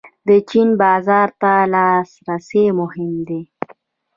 د چین بازار ته لاسرسی مهم دی